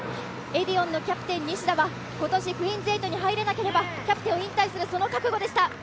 エディオンのキャプテン・西田は今年クイーンズ８に入れなければキャプテンを引退するその覚悟でした。